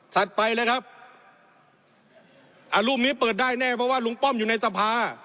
ไปเลยครับอ่ารูปนี้เปิดได้แน่เพราะว่าลุงป้อมอยู่ในสภา